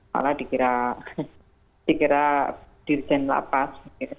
malah dikira dirjen lapas